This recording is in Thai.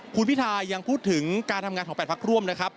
คุณพิทายังพูดถึงการทำงานของ๘พักร่วมนะครับ